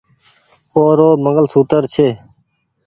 او رو منگل ڇي